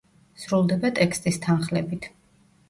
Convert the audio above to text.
სრულდება ტექსტის თანხლებით.